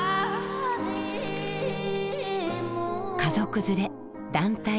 家族連れ団体